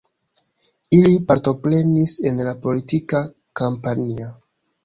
Ili partoprenis en la politika kampanjo.